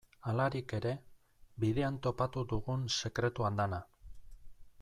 Halarik ere, bidean topatu dugun sekretu andana.